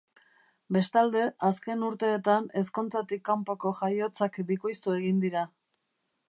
Bestalde, azken urteetan ezkontzatik kanpoko jaiotzak bikoiztu egin dira.